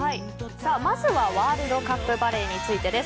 まずはワールドカップバレーについてです。